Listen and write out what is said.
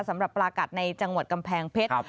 สำหรับปลากัดในจังหวัดกำแพงเพชร